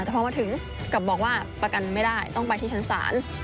แต่พอมาถึงกลับบอกว่าประกันไม่ได้ต้องไปที่ชั้นศาล